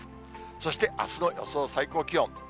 そして、あすの予想最高気温。